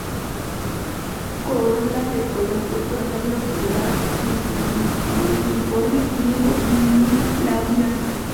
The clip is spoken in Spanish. Corola de color púrpura pálido, tubular-infundibuliforme, limbo bilabiado.